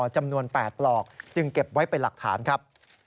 จำนวน๘ปลอกจึงเก็บไว้เป็นหลักฐานครับ